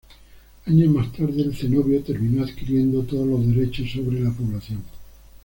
Años más tarde, el cenobio terminó adquiriendo todos los derechos sobre la población.